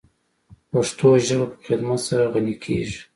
پښتو ژبه په خدمت سره غَنِی کیږی.